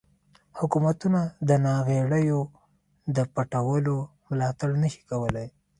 حکومتونه د ناغیړیو د پټولو ملاتړ نشي کولای.